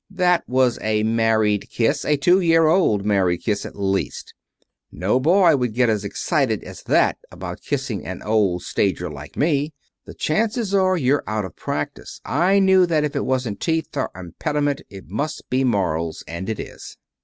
"That was a married kiss a two year old married kiss, at least. No boy would get as excited as that about kissing an old stager like me. The chances are you're out of practise. I knew that if it wasn't teeth or impediment it must be morals. And it is."